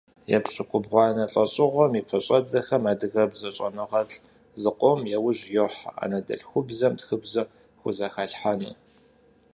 Епщыкӏубгъуанэ лӏэщӏыгъуэм и пэщӏэдзэхэм адыгэ щӏэныгъэлӏ зыкъом яужь йохьэ анэдэльхубзэм тхыбзэ хузэхалъхьэну.